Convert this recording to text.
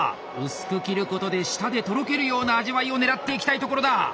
薄く切ることで舌でとろけるような味わいをねらっていきたいところだ。